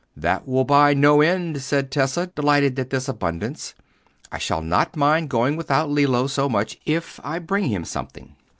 "That will buy no end," said Tessa, delighted at this abundance. "I shall not mind going without Lillo so much, if I bring him something."